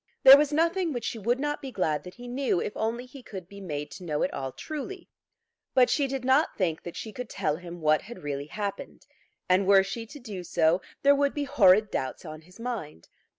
There was nothing which she would not be glad that he knew, if only he could be made to know it all truly. But she did not think that she could tell him what had really happened; and were she to do so, there would be horrid doubts on his mind.